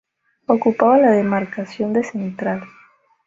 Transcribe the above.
Ocupaba la demarcación de central.